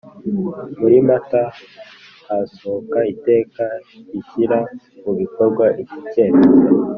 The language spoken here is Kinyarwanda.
muri Mata hasohoka iteka rishyira mu bikorwa iki cyemezo